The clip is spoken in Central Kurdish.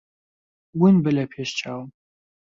ون بە لە پێش چاوم.